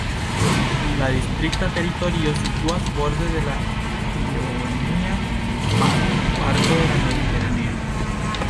La distrikta teritorio situas borde de la Ionia Maro, parto de la Mediteraneo.